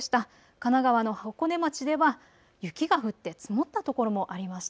神奈川の箱根町では雪が降って積もった所もありました。